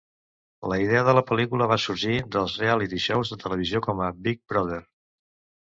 La idea de la pel·lícula va sorgir dels reality shows de televisió com "Big Brother".